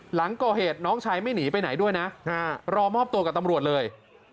หลังก่อเหตุน้องชายไม่หนีไปไหนด้วยนะรอมอบตัวกับตำรวจเลย